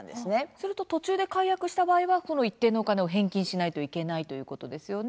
すると途中で解約した場合は一定のお金を返金しなければいけないということですね。